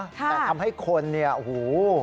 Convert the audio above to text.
ทำให้คนเนี่ยหู